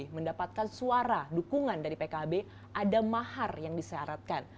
mendapatkan suara dukungan dari pkb ada mahar yang disyaratkan